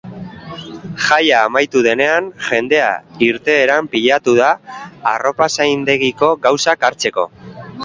Jaia amaitu denean, jendea irteeran pilatu da arropazaindegiko gauzak hartzeko.